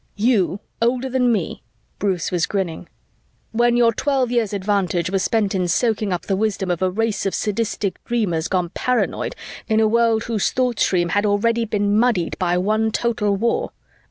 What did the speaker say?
"You older than me?" Bruce was grinning. "When your twelve years' advantage was spent in soaking up the wisdom of a race of sadistic dreamers gone paranoid, in a world whose thought stream had already been muddied by one total war?